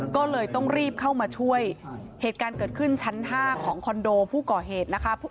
ก็เลยต้องรีบเข้ามาช่วยเหตุการณ์เกิดขึ้นชั้น๕ของคอนโดผู้ก่อเหตุนะคะ